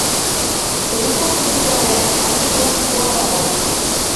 Peruko kulturaren aldi klasikoa da hori.